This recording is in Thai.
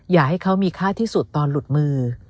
อยากให้เขามีค่าที่สุดตอนหลุดมือ